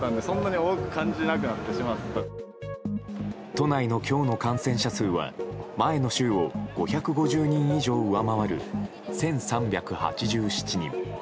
都内の今日の感染者数は前の週を５５０人以上上回る１３８７人。